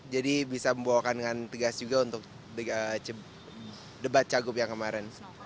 jadi bisa membawakan dengan tegas juga untuk debat cagup yang kemarin